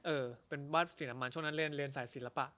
เออเป็นวาดศิลป์อำมาตย์ช่วงนั้นเรียนสายศิลปะ